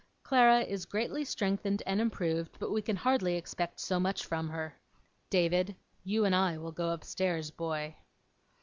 Clara is greatly strengthened and improved, but we can hardly expect so much from her. David, you and I will go upstairs, boy.